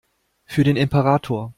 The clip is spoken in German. Für den Imperator!